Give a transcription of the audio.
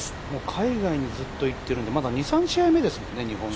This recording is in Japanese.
海外にずっといるんでまだ２３試合目ですもんね、日本。